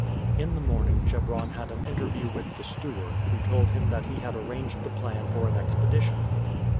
In the morning Chebron had an interview with the steward, who told him that he had arranged the plan for an expedition.